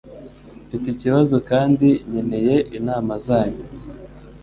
Mfite ikibazo kandi nkeneye inama zanyu.